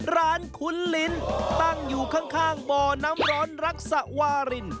ร้านคุณลินตั้งอยู่ข้างบน้ำร้อนรักษาว่าลิน